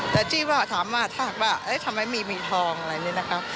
แต่ที่ว่าถามว่าทำไมไม่มีทองอะไรนี่นะคะ